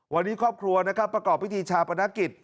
วันนี้ครอบครัวนะครับประกอบพิธีชาปนกิจ